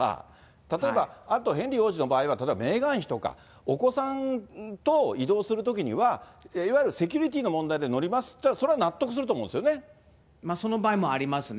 例えば、あとヘンリー王子の場合は、例えばメーガン妃とかお子さんと移動するときには、いわゆるセキュリティーの問題で乗りますっていったら、その場合もありますね。